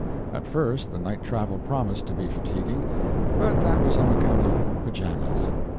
At first the night travel promised to be fatiguing, but that was on account of pyjamas.